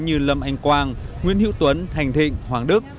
như lâm anh quang nguyễn hữu tuấn thành thịnh hoàng đức